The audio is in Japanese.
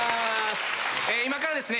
今からですね